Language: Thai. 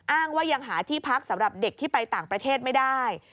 อ้างว่ายังหาที่พักสำหรับเด็กที่ไปต่างประเทศไม่ได้